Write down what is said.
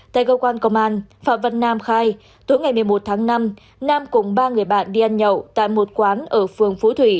tại cơ quan công an phạm văn nam khai tối ngày một mươi một tháng năm nam cùng ba người bạn đi ăn nhậu tại một quán ở phường phú thủy